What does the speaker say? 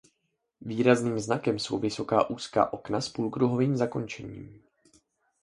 Výrazným znakem jsou vysoká úzká okna s půlkruhovým zakončením.